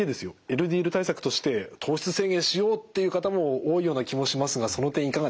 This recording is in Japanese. ＬＤＬ対策として糖質制限しようっていう方も多いような気もしますがその点いかがですか？